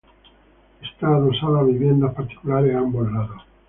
Está adosada a viviendas particulares a ambos lados.